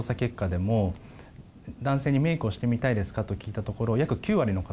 男性に「メイクをしてみたいですか？」と聞いたところ。